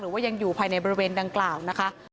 ว่ายังอยู่ภายในบริเวณดังกล่าวนะคะ